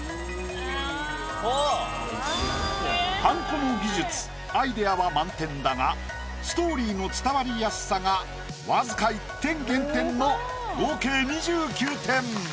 はんこの技術アイデアは満点だがストーリーの伝わりやすさがわずか１点減点の合計２９点。